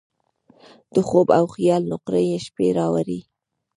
د خوب او خیال نقرهيي شپې راوړي